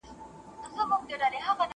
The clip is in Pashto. دروېشه! نه کوم له مځکي و اسمان ته کډه